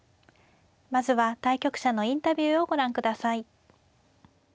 まずは対局者のインタビューをご覧ください。